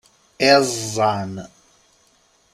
Iẓẓan!